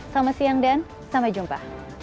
selamat siang dan sampai jumpa